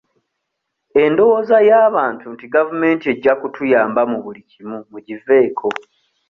Endowooza y'abantu nti gavumenti ejja kutuyamba mu buli kimu mugiveeko.